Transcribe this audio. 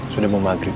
sudah mau maghrib